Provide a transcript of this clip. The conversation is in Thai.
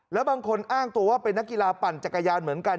แล้วบางคนอ้างตัวว่าเป็นนักกีฬาปั่นจักรยานเหมือนกัน